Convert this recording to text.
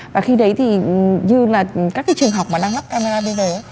và khi đấy thì như là các cái trường học mà đang lắp camera bây giờ